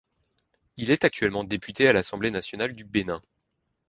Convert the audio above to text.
Il est actuellement député à l’Assemblée nationale du Bénin.